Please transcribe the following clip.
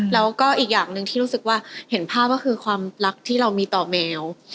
แล้วก็อีกอย่างหนึ่งที่รู้สึกว่าเห็นภาพก็คือความรักที่เรามีต่อแมว